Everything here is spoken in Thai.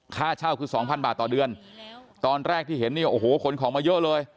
ค่าเศร้าคือ๒๐๐๐บาทต่อเดือนตอนแรกที่เห็นโอ้โหฝนของมาเยอะเลย